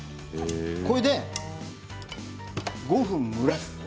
これで５分蒸らす。